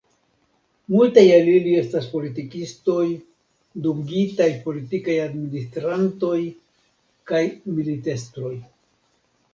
Multaj el ili estas politikistoj, dungitaj politikaj administrantoj, kaj militestroj.